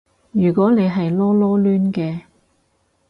如果你係囉囉攣嘅